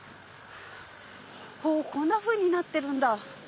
こんなふうになってるんだ。